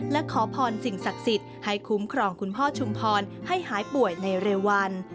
และขอพรสิ่งศักดิ์สิทธิ์ให้คุ้มครองคุณพ่อชุมพรให้หายป่วยในเร็ววัน